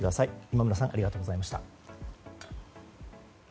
今村さんありがとうございました。